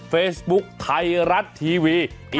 เฟซบุ๊คไทยรัฐทีวี